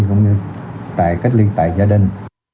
cũng như cách ly tại gia đình